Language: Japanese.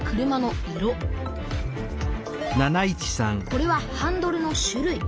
これはハンドルの種類。